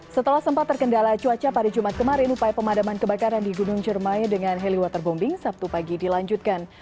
setelah sempat terkendala cuaca pada jumat kemarin upaya pemadaman kebakaran di gunung jermai dengan heli waterbombing sabtu pagi dilanjutkan